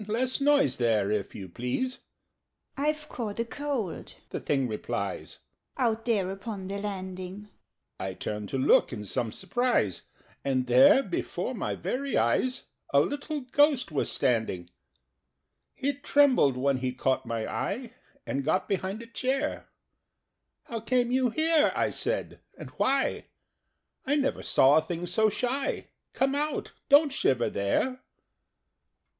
Less noise there, if you please!" "I've caught a cold," the Thing replies, "Out there upon the landing." I turned to look in some surprise, And there, before my very eyes, A little Ghost was standing! He trembled when he caught my eye, And got behind a chair. "How came you here," I said, "and why? I never saw a thing so shy. Come out! Don't shiver there!"